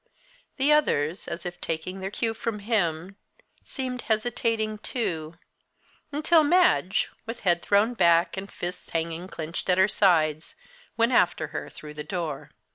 The others, as if taking their cue from him, seemed hesitating too until Madge, with head thrown back, and fists hanging clenched at her sides, went after her through the door.